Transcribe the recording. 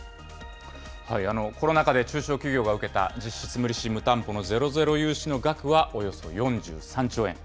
コロナ禍で中小企業が受けた実質、無利子・無担保のゼロゼロ融資の額はおよそ４３兆円。